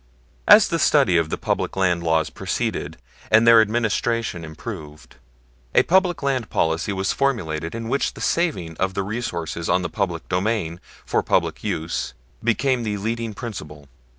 As the study of the public land laws proceeded and their administration improved, a public land policy was formulated in which the saving of the resources on the public domain for public use became the leading principle.